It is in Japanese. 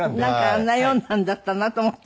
あんなようなのだったなと思って。